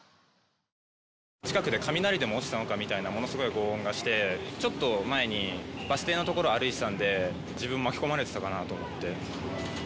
近くで雷でも落ちたのかみたいな、ものすごいごう音がして、ちょっと前にバス停の所歩いてたんで、自分も巻き込まれてたかなと思って。